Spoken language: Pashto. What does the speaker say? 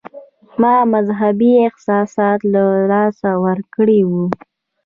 ما مذهبي احساسات له لاسه ورکړي وي.